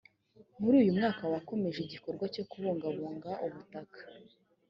muri uyu mwaka wa hakomeje igikorwa cyo kubungabunga ubutaka